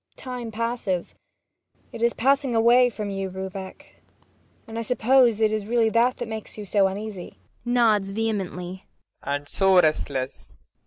Time passes. It is passing away from you, Rubek. And I suppose it is really that that makes you so uneasy PROFESSOR RUBEK. [Nods vehemently.] And so restless!